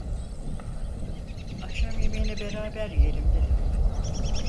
Akşam yemeğini beraber yiyelim dedim…